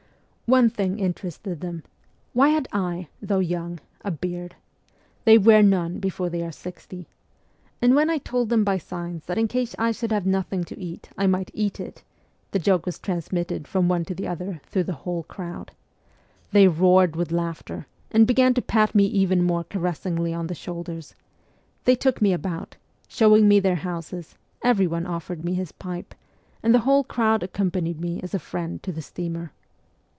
One thing interested them why had I, though young, a beard ? They wear none before they are sixty. And when I told them by signs that in case I should have nothing to eat I might eat it the joke was trans mitted from one to the other through the whole crowd. They roared with laughter, and began to pat me even more caressingly on the shoulders ; they took me about, showing me their houses, everyone offered me his pipe, and the whole crowd accompanied me as a friend to the steamer.